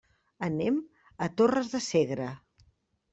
Anem a Torres de Segre.